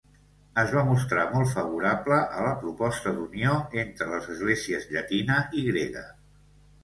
Es va mostrar molt favorable a la proposta d'unió entre les esglésies llatina i grega.